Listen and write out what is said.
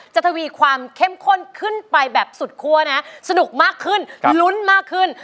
ทวีความเข้มข้นขึ้นไปแบบสุดคั่วนะสนุกมากขึ้นลุ้นมากขึ้น